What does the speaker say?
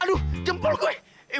aduh jempol gue